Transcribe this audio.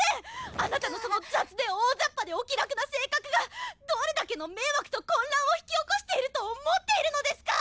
あなたのその雑で大ざっぱでお気楽な性格がどれだけの迷惑と混乱を引き起こしていると思っているのですか！